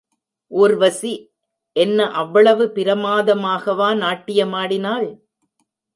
ஊர்வசி என்ன அவ்வளவு பிரமாதமாகவா நாட்டியமாடினாள்?